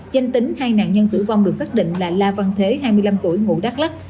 danh tính hai nạn nhân tử vong được xác định là la văn thế hai mươi năm tuổi ngụ đắk lắc